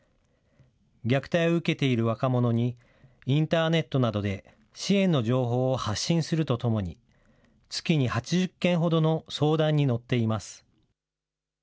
虐待を受けている若者に、インターネットなどで支援の情報を発信するとともに、月に８０件ほどの相談に乗っています。